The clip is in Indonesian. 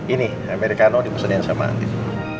ini americano dimusuhin sama anting